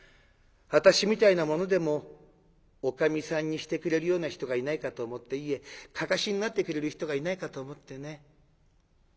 私みたいな者でもおかみさんにしてくれるような人がいないかと思っていえかかしになってくれる人がいないかと思ってね。